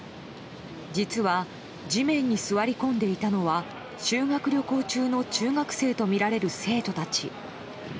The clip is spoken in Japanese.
実は、地面に座り込んでいたのは修学旅行中の中学生とみられる生徒たち。